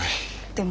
でも。